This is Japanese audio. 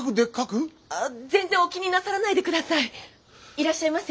いらっしゃいませ！